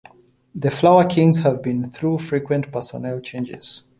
The Flower Kings have been through frequent personnel changes.